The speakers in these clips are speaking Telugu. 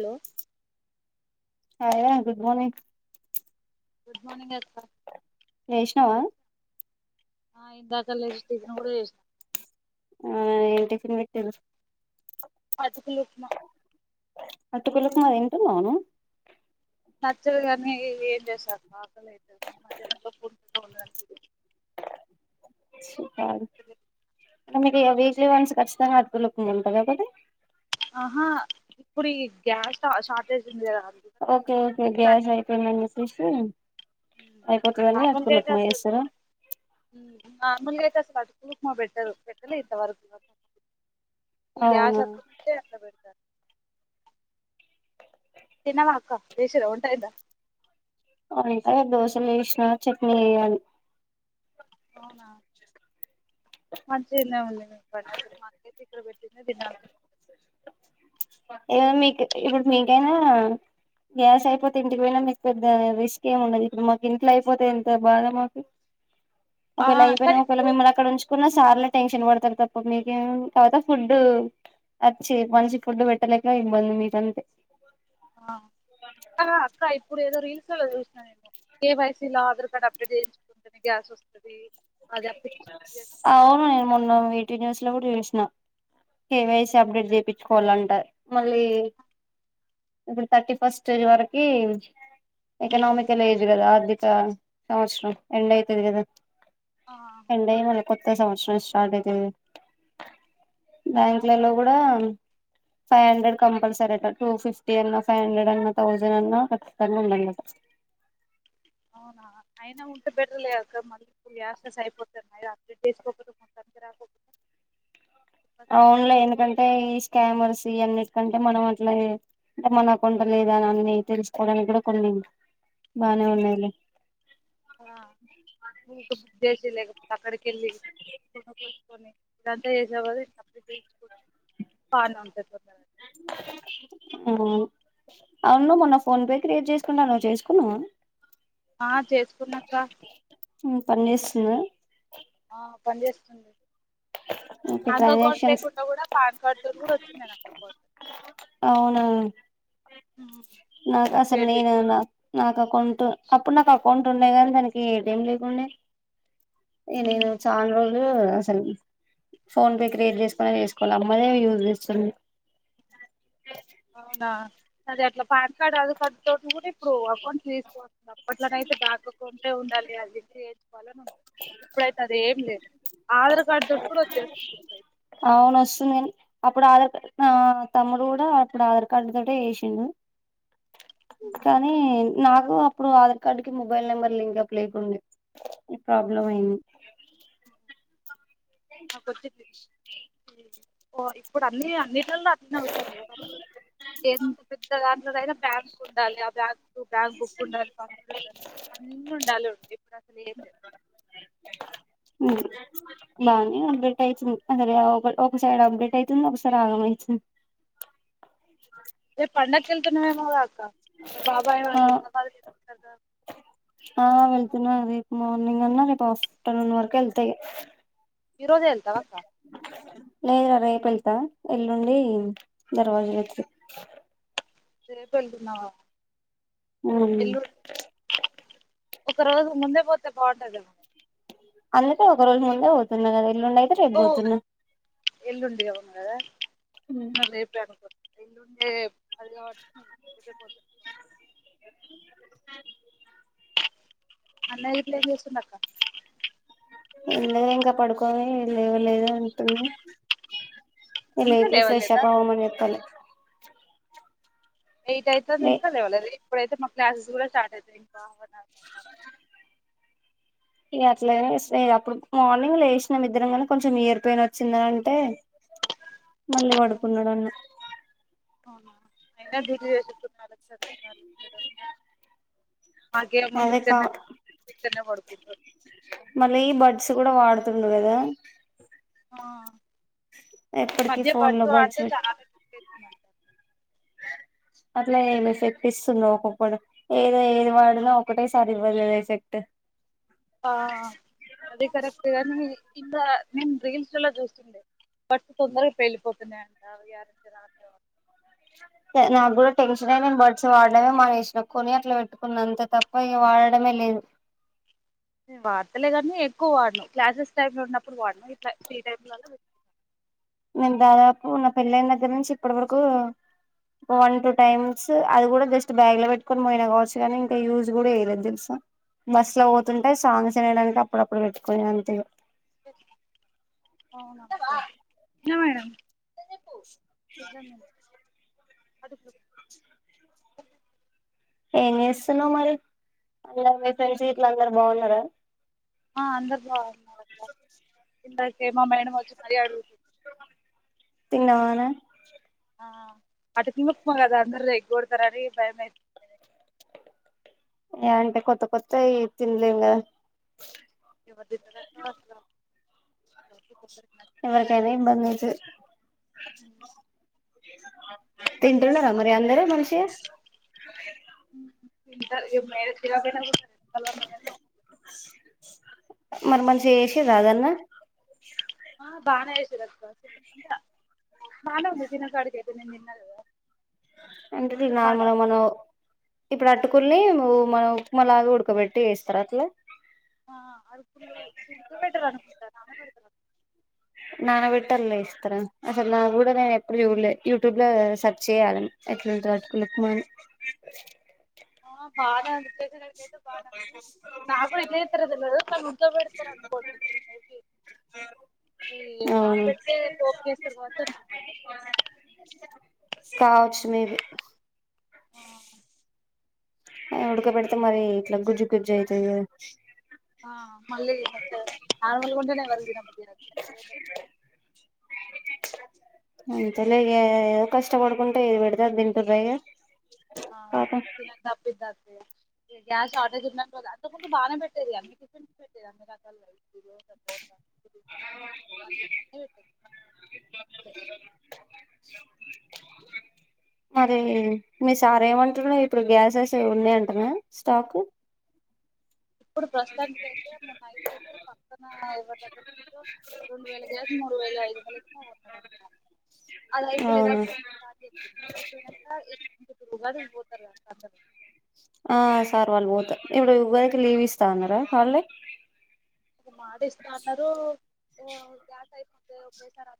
హలో అ గుడ్ మార్నింగ్ గుడ్ మార్నింగ్ అక్క లేసినావా ఆ ఇందాకలేసి టిఫిన్ కూడా చేసిన కరెక్టు అటుకులు ఉప్మా అటుకులు ఉప్మా తింటున్నావా నువ్వు నచ్చదు కానీ ఏం చేస్తారు ఆకలి అవుతుంది మన మధ్యాహ్నంలో పూగా ఉండదని సూత్తావు తొమ్మిది అవి త్రీ మంత్స్ కచ్చితంగా [unintelligible] ఉంటాయా అవి ఆహా ఇప్పుడు ఈ గ్యాస్ షార్ట్ ఏజ్ ఉంది కదా అందుకనే ఓకే ఓకే గ్యాస్ అయిపోయింది విష్ణు పాపం చేస్తారు చేస్తారా మ్ నార్మల్ గా అయితే అటుకులు ఉప్మా పెట్టారు పెట్టలే ఇంకా ఇంతవరకు నాకు ఈ గ్యాస్ అవునా ఎక్కడ ఉంటే అక్కడ పెడతారు తిన్నవా అక్క చేసిన రా వంట అయిందా అకా దోశలు వేసిన చట్నీ వేయాలి అవునా మంచింద ఉంది మీ పని అసలు మాకైతే ఇక్కడ పెట్టింది తినాలండి ఏ మీకు ఇప్పుడు మీకైనా గ్యాస్ అయిపోతే ఇంటికి పోయినా మీకు పెద్ద రిస్క్ ఏమి ఉండదు ఇప్పుడు మాకు ఇంట్లో అయిపోతే ఎంత బాధ మాకు ఆ ఒకవేళ అయిపోయినా కానీ ఒకవేళ ఇప్పుడు మిమ్మల్ని అక్కడ ఉంచుకో కున్న సార్లే టెన్షన్ పడతారు తప్ప మీకేం తర్వాత ఫుడ్ వచ్చి మంచి ఫుడ్ పెట్టలక ఇబ్బంది మీద అంతే ఆ అక్క ఇప్పుడు ఏద రీల్స్ చూ నేను కేవైసీ లో ఆధార్ కార్డు అప్డేట్ చేయించుకుంట గ్యాస్ వస్తుంది అవును నేను మొన్న వే టూ న్యూస్ లో కూడా చూసిన ఏమేసి అప్డేట్ చేయించుకోవాలంటారు మళ్ళీ ఇప్పుడు థర్టీ ఫస్ట్ వరకి ఎకనమిక్ ఎలా ఏజ్ గద అది సంవత్సరం ఎండయితుంది కదా ఆ ఎండయి మన కొత్త సంవత్సరం స్టార్ట్ అప్ప బ్యాంకులలో కూడా ఫైవ్ హండ్రెడ్ కంపల్సరీ అట టూ ఫిఫ్టీ అన్నా ఫైవ్ హండ్రెడ్ అన్నా థౌజండ్ అన్నా ఖచ్చితంగా ఉండండిట అవునా అయినా ఉంటే బెటర్లేదుక మళ్ళీ ఇప్పు యాస్టెస్ అయిపోతున్నా అప్డెట్ చేసుకోకడదు మొత్తానికి రాకుడదు అవున్లే ఎందుకంటే ఈ స్కామర్స్ ఇవన్నీ ఎకంటే మనం అట్లా అంటే మన అకౌంట్ లేదాని అని తెలుసుకోవడానికి కూడా కొన్ని బానే ఉన్నాయిలే ఊక బుక్ చేసి లేకపోతే అక్కడికి వెళ్ళి కొనుకోచొని ఇదంతా చేసే బదులు [inaudible] అవును మొన్న ఫోన్ పే క్రియేట్ చేసుకుంట చేసుకునావ ఆ చేసుకున్న అక్క మ్ పనిచేస్తుందా ఆ పని చేస్తుంది ఓకే బ్యాంక్ అకౌంట్ ట్రాన్సాక్షన్స్ లేకుండా కూడా పాన్ కార్డ్ తో కూడా వచ్చింద నా అకౌంట్ అవునా నాకు అట్లనే అసలు క్రియేట్ చేసి నేను నా నాకు అకౌంట్ అప్పుడు నాకు అకౌంట్ ఉండే కాని దానికి ఏటీఎం లేకుండే ఎ నేను చానా రో మ్ అసలు ఫోన్ పే క్రియేట్ చేసుకుని వేసుకున అమ్మదే యూజ్ చేస్తున అదే అట్లా పాన్ కార్డ్ ఆధార్కార్డు టు ఇప్పుడు అకౌంట్ తీసుకోవస్తుంది అప్పట్లోన అయితే బ్యాంక్ అకౌంటట్ హె ఉండాలి, అదిది వేయించుకోవాలని ఉండ, ఇప్పుడైతే అది ఏం లేదు ఆధార్ కార్డు తో కూడా వచ్చేస్తుంది ఇప్పుడైతే అవును వస్తుంది కాని అప్పుడు ఆధార్ అ తమ్ముడు కూడా అప్పుడు ఆధార్ కార్డు తోటే చేసిండు కానీ నాక్ అప్పుడు ఆధార్ కార్డు కి మొబైల్ నెంబర్ లింక్ అప్ లేకుండే, ఈ ప్రాబ్లం అయింది ఆ కొచ్చచు ఓ ఇప్పుడు అన్ని అన్నింటిలలో అట్నే వస్తుంది ఒకప్పుడు ఏ పెద్ద దాంట్లో అయినా బ్యాంక్ ఉండాలి ఆ బ్యాంక్ బ్యాంక్ బుక్ ఉండాలి పాస్వర్డ్ ఉండాలి అన్న ఉండాలి ఇప్పుడు అసలు ఏం లేదు బాగానే అప్డేట్ అయితుంది అసరే ఒక ఒక సైడ్ అప్డేట్ అవుతుంది ఒకసారి ఆగం అయితుంది మీరు పండక్కి వళ్తున్నారేమోట కదక్క బాబాయ్ ఆ వాళ్ళు ఆ వెళ్తున్నా రేపు మార్నింగ్ అన్నా రేపు ఆఫ్ఫ్టర్నూన్ వరకు వెళ్త ఇగ ఈరోజె ఎల్తవ అక్కా లేదు ఇగ రేపు వెళ్తా ఎల్లుండి దర్వాజలు వచ్చి రేపెళ్తున్నావా మ్మ్ ఒక రోజు ముందే పోతే బాగుంటది అందుకే ఒక రోజు ముందే పోవుతున్నగద మొన్నయితే గద రేపు అనుకో ఎల్లుండే ఉంటది కాబట్టి అన్నయ్య ఇప్పుడేం చేస్తుండు అక్క ఏం లేదు ఇంకా పడుకోవాలి లేవో లేదో అంటు ఇంకా లేపి ఫ్రెష్ లేవలేదా అప్ అవ్వమని చెప్పలే ఎయిట్ ఐతుంది లే ఇంకా లేవలేదా ఇప్పుడైతే మా క్లాసెస్ కూడా స్టార్ట్ అవుతాయి ఇంకా అఫన్నా రైతే ఇగ అట్లాగ వస్తయ్ ఇగ అప్పుడు మార్నింగ్ లేసినం ఇద్దరం గనీ, కొంచెం ఇయర్ పెయిన్ వచ్చిందనంటే మళ్ళీ పడుకున్నాడన్న అవునా అయినా డ్యూటీ [inaudible] [unintelligible] అదే కా ఇక్కడనే తీసుకుంటారు ఇక్కడనే పడుకుంటారు మళ్ళీ ఈ బడ్స్ కూడా వాడ తుండు కదా ఆ, ఈ ఎప్పటికిీ మధ్య ఫోన్ లో బట్టు బర్డ్స్ ఆడితే చాలా [inaudible] అట్లా ఏం ఎఫెక్ట్ ఇస్తుందో ఒకొక్కడు ఏదో ఏది వాడినా ఒకటే సరి ఇవ్వలేదు ఎఫెక్ట్ ఆ అదే కరెక్ట్గానీ ఇంద నేను రీల్స్లా చూస్తుండే ఫస్ తొందరగా పెళ్ళిపోతున్నాయంట [inaudible] నాకు కూడా టెన్షన్ అయింది, బర్డ్స్ వాడడమే మానేసిన కొని అట్లా పెట్టుకున్నా అంతే తప్ప ఇక వాడడమే లేదు. నేను వాడతలే గనీ ఎక్కువ వాడను క్లాసెస్ టైమ్ లో ఉన్నప్పుడు వాడిన ఇట్ల ఫ్రీ టైమ్లా నేను దాదాపు నా పెళ్ళయిన దగ్గర నుంచి ఇప్పటి వరకు, వన్ టూ టైమ్స్ అది కూడా జస్ట్ బ్యాగ్ లో పెట్టుకొని పోయినా కావచ్చు కాని, ఇంకా యూజ్ కూడా వేయలేదు తెలుసా, బస్సు లో పోతుంటే సాంగ్స్ వినడానికి అప్పుడప్పుడు పెట్టుకుని అంతేగా అవునా ఏ మేడం అడుగు ఏం జేస్తున్నావ్ మరి అలా మీ ఫ్రెండ్ గీట్ల అందరు బాగున్నారా ఆ అందరు బా ఇందాకే మా మేడం వచ్చి మరి ఆడు తిన్నావా నే [unintelligible] అందురు ఏగ్గొడతారని భయమైతుంది ఏ అంటే కొత్త కొత్తయి తిన్లేం కదా ఎవరు దింటారు అట్లా ఎవరికైన ఇబ్బంది ఉంటది ఎవరు తినరు తింటున్నారా ఎక్కువ మరి అందరు మంచిగ [unintelligible] మరి మంచిగ చేసిండ్ర అదన్న ఆ బానే చేసిండ్రు అక్కబానే ఉంది తిన్న కాడికి అయితే నేన్ తిన్నా కదా అంటేది కొంచెం బానే నార్మల్ గా ఉంది మనం ఇప్పుడు అటుకుల్ని ను మన ఉప్మా లాగ ఉడకబెట్టి యేస్తర అట్లా ఆ అటుకులు ఉడకపెట్టరు అనుకుంట నానపెడ్ నానబెట్టాల ఇస్తార అసలు నా కూడా నేను ఎప్పుడు జూల్లే యూట్యూబ్ లో సెర్చ్ చేయాలని ఎట్లుంటుదో అటుకుల ఉప్మా అని. ఆ బానే ఉంది చేసేదానికి అయితే బానే ఉంది. నాకు ఎట్లుదేత్తరో తెలివదు కాని ఉడకపెడతారు అనుకోంటున మే బి అవును నానబెడితే పోపు కేస్తరు కావచ్చు అనుకుంటున్నా. లేదు ఆ ఉడక పెడితే మరి ఇట్లా గుజ్జు గుజ్జు అయితది కావచ్ ఆ మళ్ళీ ఎంత నార్మల్ ఉంటనే [unintelligible] అంతేలే ఇగ ఏదో కష్టపడుకుంట ఏది పెడితే అది తింటుర్రా ఇగ ఆ పాపం తినందప్ [unintelligible] గ్యాస్ షార్టేజ్ ఉంది అంటవ్ గా అంతకు ముందు బానే పెట్టేది అన్నీ టిఫిన్స్ పెట్టేది అన్నిరకాలు పెట్టేది ఇప్పుడే మరి మీ సార్ ఏమంటుండు ఇప్పుడు గ్యాసెస్ అయి వున్నాయి అంటన స్టాకు. ఇప్పుడు ప్రస్తుతానికి అయితే మొన్న అయిపోతే పక్కన ఎవరి దగ్గర నుంచో రెండు వేల గ్యాస్ మూడు వేల ఐదు వందలు ఇచ్చినాడంట అది అవునా అయిపోయేదాకా స్టార్ట్ చేసి అయిపోయినాంక. [unintelligible] కాడికి పోతారుగ అందరు ఆ సార్ వాళ్ళు పోత ఇప్పుడు వరికి లీవ్ ఇస్తా అన్నారా హాళ్డే మాట ఇస్తా అన్నరూ ఒకేసారి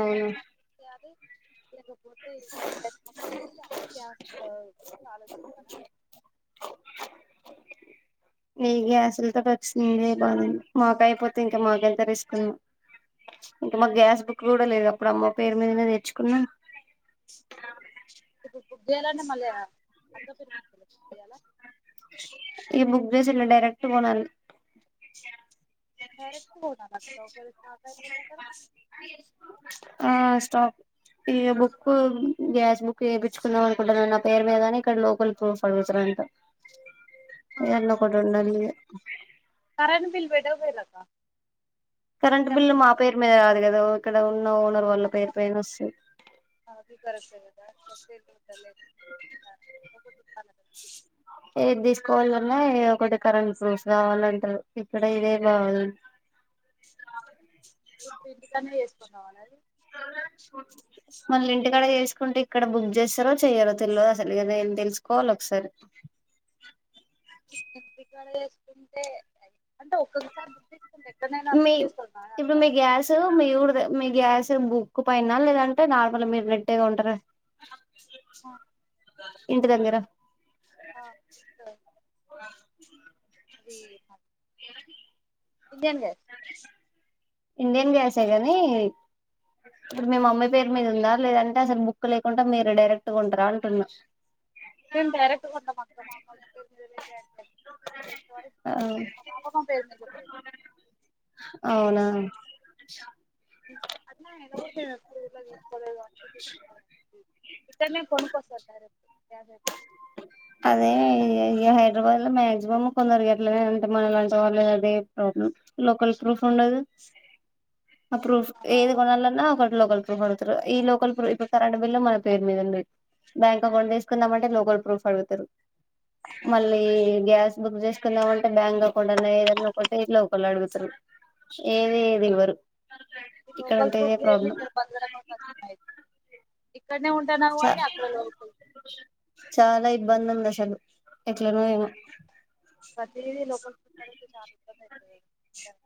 అవునా అంటున్న [unintelligible] పంపించేసి అప్పుడు గ్యాస్ గురించి ఆలోచిస్తాను నీ గ్యాసులుతోటి వచ్చింది బాగుంది మాక అయిపోతే ఇంకా మాకంత రిస్కునో ఇంకా మా గ్యాస్ బుక్ కూడా లేదు అప్పుడు అమ్మ పేరు మీదనే తెచ్చుకున్నాం ఇప్పుడు బుక్ చేయాలంటే అక్క పేరు మీదనే చేయాల ఇక బుక్ చేసి ఇట్లా డైరెక్ట్ కొనాలి డైరెక్ట్ కొనాల అక్కడ ఒకవేళ స్టాక్ అయిపోతే అక్కడ ఆ స్టాక్ ఇక బుక్ గ్యాస్ బుక్ చేపిచ్చుకుందాం అనుకుంటున్నా నా పేరు మీదని ఇక్కడ లోకల్ ప్రూఫ్ అతురంట ఏదన్నా ఒకటి ఉండాలిగా కరెంట్ బిల్ పెట్టకపోయారు అక్క కరెంట్ బిల్లు మా పేరు మీద రాదు కదా ఇక్కడ ఉన్న ఓనర్ వాళ్ళ పేరు పైన వస్తంది అది కరెక్టే కదా సో బిల్లు ఉండలేదు ఒకటి ఉండాలి కదా ఏది తీసుకోవాలన్నా ఒకటి కరెంట్ ఫ్రూఫు కావాలంటారు ఇక్కడ ఇదే కావాలి ఇపుడు ఇంటి పని చేసు పోతావా మనాలి మళ్ళీ ఇంటికాడ చేసుకుంటే ఇక్కడ బుక్ చేస్తారో చెయ్యారో తెలియదు అసలు, తెలుసుకోవాలి ఒకసారి ఉంటే మీ బుక్ చేసుకోవాలి కదా అక్క ఇప్పుడు మీ గ్యాస్ మీ ఊడు మీ గ్యాస్ బుక్ కు పైనా లేదంటే నార్మల్ మీరు పెట్టేది ఉంటరా అ అ అది ఎవది ఇండియన్ గ్యాస్ ఇండియన్ గ్యాసే కాని, ఇప్పుడు మీ మమ్మీ పేరు మీద ఉందా లేదంటే అసలు బుక్ లేకుండా మీరు డైరెక్ట్గా కొంటారా అంటున్నా నేన్ డైరెక్ట్ కొంటాను అక్క మ ఆ [inaudible] అవునా అన్నా ఇన కూడా మేము ఎప్పుడు ఊర్లో తీసుకోలేదు కాబట్టి ఇక్కనే కొనుక్కొస్తారు డైరెక్ట్ గ్యాస్ అయిపోతుంది అదే హైదరాబాద్లో మే మంచి బమ్మ కొందరికి ఎట్లనే అంటే మన ఇలాంటి వాళ్లేదు అదే ప్రాబ్లం, ఇంకోలా ప్రూఫ్ ఉండదు ఆ ప్రూఫ్ ఏది కొనలన్నా ఒకటిలో ఒకలి పడుతురు ఈ లోకల్ ఇపుడు కరెంట్ బిల్ లో మన పేరు మీద ఉండి బ్యాంక్ అకౌంట్ తీస్ ఉండపట్టే లోకల్ ప్రూఫ్ అడుగుతరు మళ్ళీ గ్యాస్ బుక్ చేస్ కుందామంటే బ్యాంక్ అకౌంట్ అన్న ఏదన్నా ఒకే ఇట్ల ఒకళ్ళు అడుగుతారు ఏది ఈవరు ఈ లోకల్ ప్రూఫ్ లేనిది ఇక్కడ బతకడం కష్టం అయ్యే ఇక్కడనే ఉంటానవు చ గాని అక్కడ లోన్ చాలా ఇబ్బంది ఉంది అసలు ఎట్లానో ఏమో ప్రతిది లోకల్ [unintelligible]